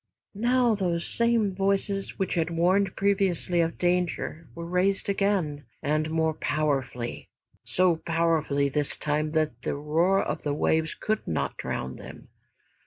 Now those same voices which had warned previously of danger were raised again, and more powerfully, so powerfully this time that the roar of the waves could not drown them.